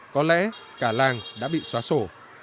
có lẽ cả làng đã bị xóa sổ